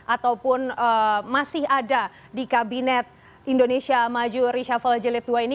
ataupun masih ada di kabinet indonesia maju rishafal jelitua ini